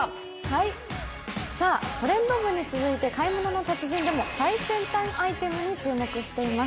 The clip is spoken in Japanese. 「トレンド部」に続いて「買い物の達人」でも最先端アイテムに注目しています。